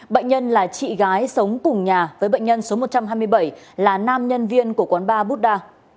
bệnh nhân là chị gái sống cùng nhà với bệnh nhân số một trăm hai mươi bảy là nam nhân viên của quán ba buddha